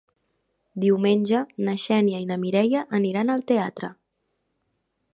Diumenge na Xènia i na Mireia aniran al teatre.